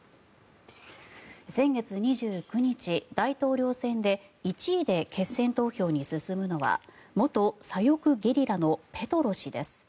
先月２９日、大統領選で１位で決選投票に進むのは元左翼ゲリラのペトロ氏です。